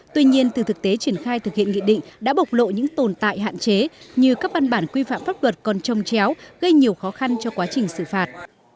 tuy nhiên từ thực tế triển khai thực hiện nghị định đã bộc lộ những tồn tại hạn chế như các văn bản quy phạm pháp luật còn trông chéo gây nhiều khó khăn cho quá trình xử phạt